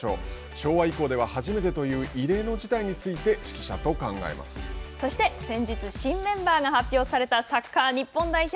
昭和以降では初めてという異例の事態についてそして、先日新メンバーが発表されたサッカー日本代表。